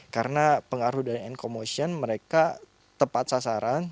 karena pengaruh dari enkomotion mereka tepat sasaran